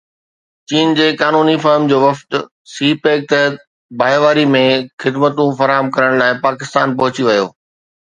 چين جي قانوني فرم جو وفد سي پيڪ تحت ڀائيواري ۾ خدمتون فراهم ڪرڻ لاءِ پاڪستان پهچي ويو